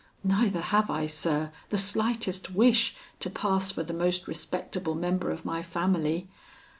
Neither have I, sir, the slightest wish to pass for the most respectable member of my family.